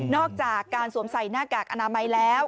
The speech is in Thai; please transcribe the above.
อกจากการสวมใส่หน้ากากอนามัยแล้ว